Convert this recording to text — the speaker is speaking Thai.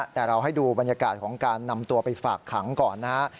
แต่เราให้ดูบรรยากาศของการนำตัวไปฝากขังก่อนนะฮะ